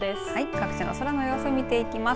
各地の空の様子を見ていきます。